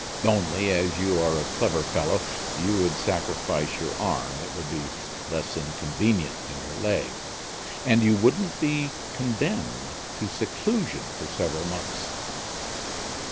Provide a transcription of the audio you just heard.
Only, as you are a clever fellow, you would sacrifice your arm; it would be less inconvenient than your leg; and you wouldn't be condemned to seclusion for several months."